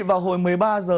vào hồi một mươi ba h